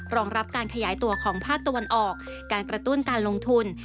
รองรับการขยายตัวของภาคตะวันออกการกระตุ้นการลงทุน